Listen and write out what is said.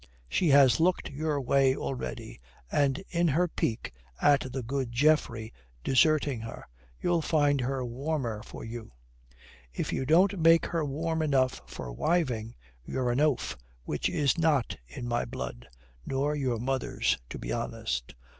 She has looked your way already, and in her pique at the good Geoffrey deserting her, you'll find her warmer for you. If you don't make her warm enough for wiving, you're an oaf, which is not in my blood nor your mother's, to be honest.